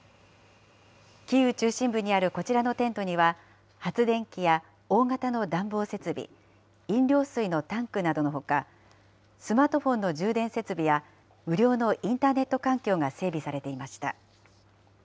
キーウ中心部にあるこちらのテントには、発電機や大型の暖房設備、飲料水のタンクなどのほか、スマートフォンの充電設備や無料のインターネット環境が整備されていました。